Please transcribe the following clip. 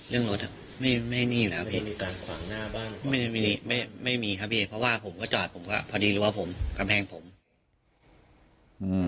เรื่องรถไม่มีอยู่แล้วพี่ไม่มีครับพี่เพราะว่าผมก็จอดพอดีหรือว่ากำแพงผม